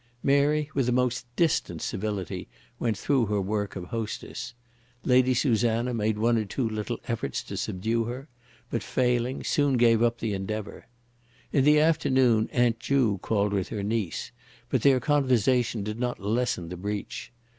Mary with a most distant civility went through her work of hostess. Lady Susanna made one or two little efforts to subdue her; but, failing, soon gave up the endeavour. In the afternoon Aunt Ju called with her niece, but their conversation did not lessen the breach.